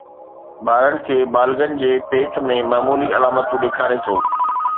ٻارن کي بالغن جي ڀيٽ ۾ معمولي علامتون ڏيکاري ٿو